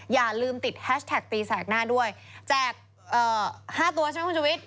อย่าลืมติดแฮชแท็กตีแสกหน้าด้วยแจก๕ตัวใช่ไหมคุณชุวิต